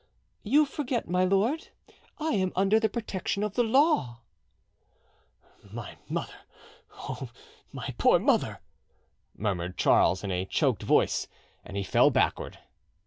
"You forget, my lord, I am under the protection of the law." "My mother!—oh, my poor mother!" murmured Charles in a choked voice, and he fell backward.